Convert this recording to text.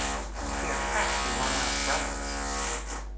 We are practically long-lost brothers.